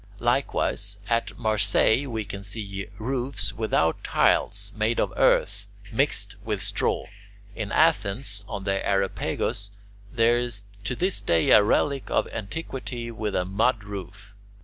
Likewise at Marseilles we can see roofs without tiles, made of earth mixed with straw. In Athens on the Areopagus there is to this day a relic of antiquity with a mud roof.